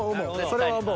それは思う。